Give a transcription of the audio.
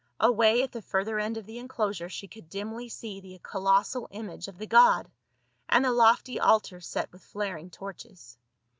Away at the further end of the enclosure she could dimly see the colossal image of the god, and the lofty altar set with flaring torches.